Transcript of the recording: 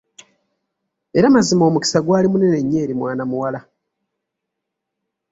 Era mazima omukisa gwali munene nnyo eri mwana muwala!